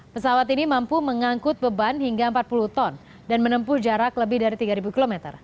pesawat ini mampu mengangkut beban hingga empat puluh ton dan menempuh jarak lebih dari tiga km